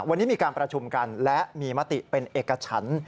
วันนี้มีการประชุมกันและมีมติเป็นเอกฉัน